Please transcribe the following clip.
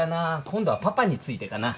今度はパパについてかな？